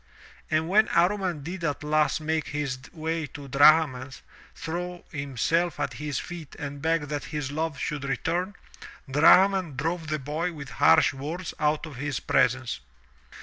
And when Amman did at last make his way to Drahman^ throw himself at his feet and beg that his love should return, Drahman drove the boy with harsh words out of his presence.